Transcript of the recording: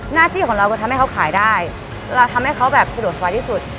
หน้าที่ของเราก็ทำให้เขาขายได้เราทำให้เขาแบบสะดวกสบายที่สุด